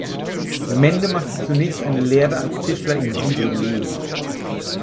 Mende machte zunächst eine Lehre als Tischler in Siebenlehn.